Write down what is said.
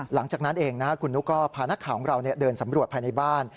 หลังจากนั้นเองคุณนุ๊กก็พานักข่าวของเราเดินสำรวจภายในบ้าน